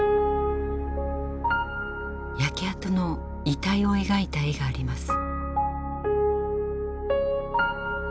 焼け跡の遺体を描いた絵があります。